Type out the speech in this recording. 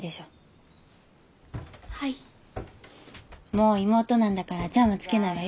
もう妹なんだから「ちゃん」は付けないわよ。